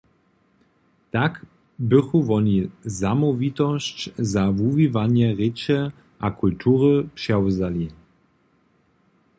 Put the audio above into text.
Tak bychu woni zamołwitosć za wuwiwanje rěče a kultury přewzali.